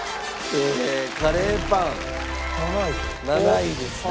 カレーパン７位ですね。